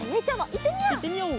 いってみよう！